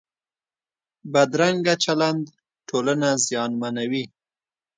بدرنګه چلند ټولنه زیانمنوي